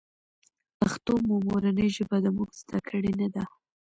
پښتو مو مورنۍ ژبه ده مونږ ذده کــــــــړې نۀ ده